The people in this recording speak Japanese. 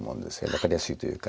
分かりやすいというか。